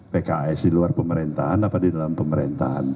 pks di luar pemerintahan apa di dalam pemerintahan